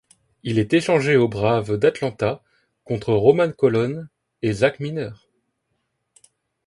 Il est échangé aux Braves d'Atlanta contre Román Colón et Zach Miner.